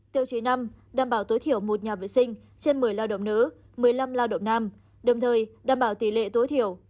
tiêu chí năm đảm bảo tối thiểu một nhà vệ sinh trên một mươi lao động nữ một mươi năm lao động nam đồng thời đảm bảo tỷ lệ tối thiểu